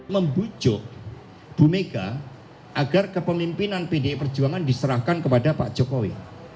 membucuk bumeka agar kepemimpinan pdi perjuangan diserahkan kepada pak jokowi